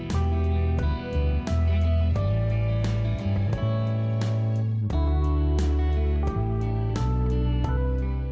hẹn gặp lại